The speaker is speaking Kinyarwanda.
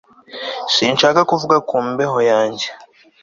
Sinshaka kuvuga ku mbeho yanjye